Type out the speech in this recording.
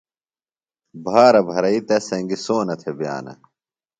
بھارہ بھرئی تس سنگیۡ سونہ تھےۡ بِیانہ۔